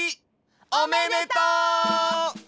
おめでとう！